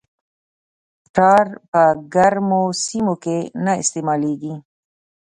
ټار په ګرمو سیمو کې نه استعمالیږي